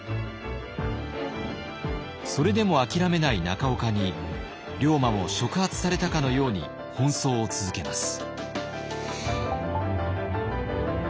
それでも諦めない中岡に龍馬も触発されたかのように奔走を続けます。